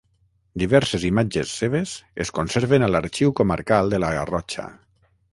Diverses imatges seves es conserven a l'Arxiu Comarcal de la Garrotxa.